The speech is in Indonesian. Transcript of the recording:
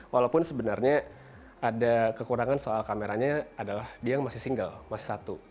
walaupun sebenarnya ada kekurangan soal kameranya adalah dia yang masih single masih satu